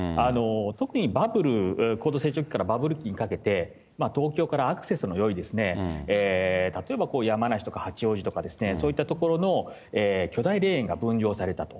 特にバブル、高度成長期からバブル期にかけて、東京からアクセスのよい、例えば山梨とか八王子とか、そういった所の巨大霊園が分譲されたと。